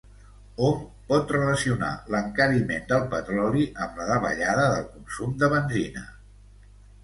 Hom pot relacionar l'encariment del petroli amb la davallada del consum de benzina.